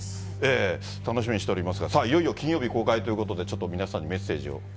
楽しみにしておりますが、いよいよ金曜公開ということで、ちょっと皆さんにメッセージを。